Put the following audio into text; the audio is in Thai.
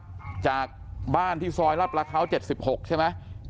นี่ครับจากบ้านที่ซอยราชประเภา๗๖ใช่ไหม